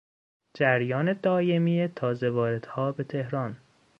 جریان دایمی تازهواردها به تهران